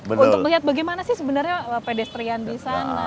untuk melihat bagaimana sih sebenarnya pedestrian di sana